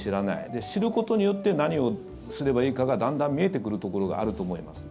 で、知ることによって何をすればいいかがだんだん見えてくるところがあると思います。